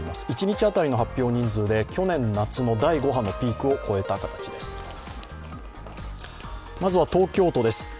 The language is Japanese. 一日当たりの発表人数で去年末の第５波のピークを超えた形です。